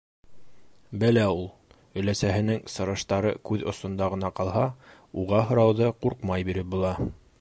Белә ул: өләсәһенең сырыштары күҙ осонда ғына ҡалһа, уға һорауҙы ҡурҡмай биреп була.